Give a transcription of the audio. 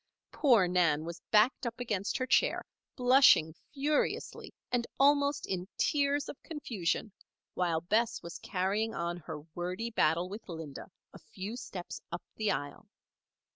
Poor Nan was backed up against her chair, blushing furiously and almost in tears of confusion, while Bess was carrying on her wordy battle with Linda, a few steps up the aisle.